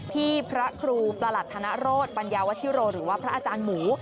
พระครูประหลัดธนโรธปัญญาวชิโรหรือว่าพระอาจารย์หมู